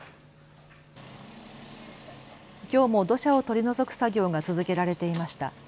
きょうも土砂を取り除く作業が続けられていました。